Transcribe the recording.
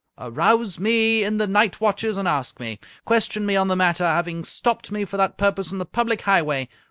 Arouse me in the night watches and ask me! Question me on the matter, having stopped me for that purpose on the public highway!